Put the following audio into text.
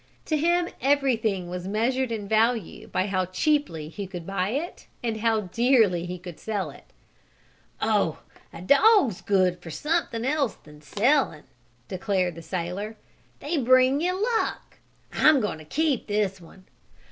To him everything was measured in value by how cheaply he could buy it and how dearly he could sell. "Oh, a dog's good for something else than selling," declared the sailor. "They bring you luck! I'm going to keep this one.